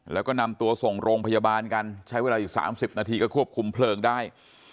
แล้วก็นำตัวส่งโรงพยาบาลกันใช้เวลาอยู่๓๐นาทีก็ควบคุมเพลิงได้